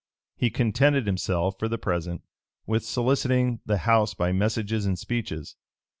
[*] He contented himself, for the present, with soliciting the house by messages and speeches.